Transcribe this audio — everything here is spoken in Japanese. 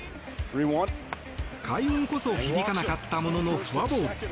快音こそ響かなかったもののフォアボール。